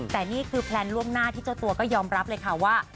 แต่นี่คือแพลนล่วงหน้าที่เจ้าตัวก็ยอมรับเลยค่ะว่า